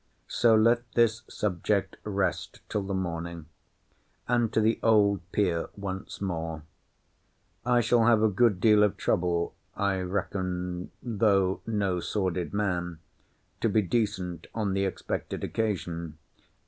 So let this subject rest till the morning. And to the old peer once more. I shall have a good deal of trouble, I reckon, though no sordid man, to be decent on the expected occasion.